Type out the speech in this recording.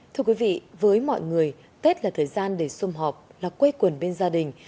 thưa quý vị với mọi người tết là thời gian để xung họp là quê quần bên gia đình